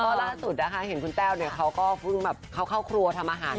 ก็ล่าสุดนะคะเห็นคุณแต้วเนี่ยเขาก็เพิ่งแบบเข้าครัวทำอาหาร